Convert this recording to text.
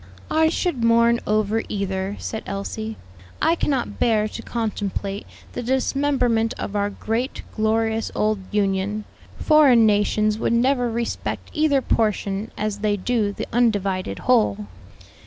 "I should mourn over either," said Elsie, "I cannot bear to contemplate the dismemberment of our great, glorious old Union. Foreign nations would never respect either portion as they do the undivided whole."